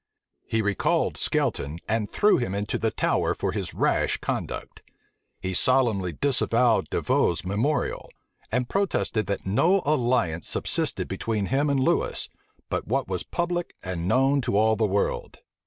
He recalled Skelton, and threw him into the Tower for his rash conduct. He solemnly disavowed D'Avaux's memorial; and protested that no alliance subsisted between him and Lewis, but what was public and known to all the world.